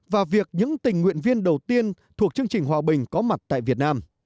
và việc những tình nguyện viên đầu tiên thuộc chương trình hòa bình có mặt tại việt nam